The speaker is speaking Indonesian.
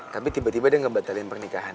tapi tiba tiba dia ngebatalin pernikahan